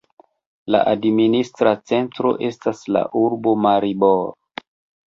La administra centro estas la urbo Maribor.